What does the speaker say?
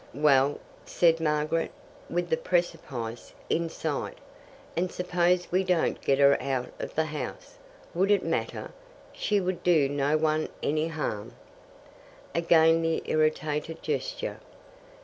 "Well?" said Margaret, with the precipice in sight. "And suppose we don't get her out of the house? Would it matter? She would do no one any harm." Again the irritated gesture.